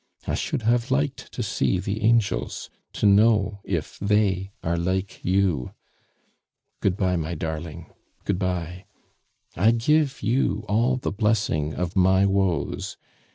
I should have liked to see the angels, to know if they are like you. "Good bye, my darling, good bye! I give you all the blessing of my woes.